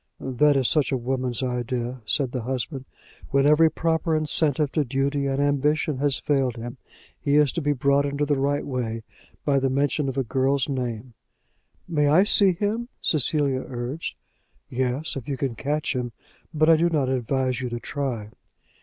"That is such a woman's idea," said the husband. "When every proper incentive to duty and ambition has failed him, he is to be brought into the right way by the mention of a girl's name!" "May I see him?" Cecilia urged. "Yes, if you can catch him; but I do not advise you to try."